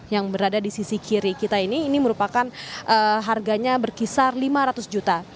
yang berada di sisi kiri kita ini ini merupakan harganya berkisar lima ratus juta